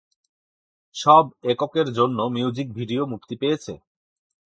সব এককের জন্য মিউজিক ভিডিও মুক্তি পেয়েছে।